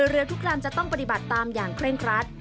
เรือทุกลำจะต้องปฏิบัติตามอย่างเคร่งครัด